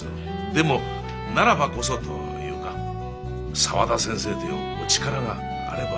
でもならばこそというか沢田先生というお力があればこそ。